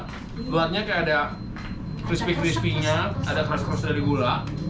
keluarnya kayak ada crispy crispy nya ada keras keras dari gula